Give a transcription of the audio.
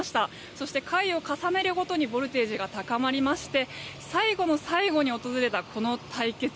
そして、回を重ねるごとにボルテージが高まりまして最後の最後に訪れたこの対決。